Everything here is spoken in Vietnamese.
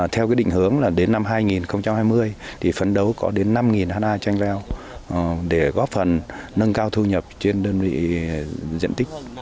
theo định hướng đến năm hai nghìn hai mươi phấn đấu có đến năm ha chanh leo để góp phần nâng cao thu nhập trên đơn vị diện tích